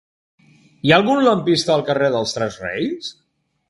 Hi ha algun lampista al carrer dels Tres Reis?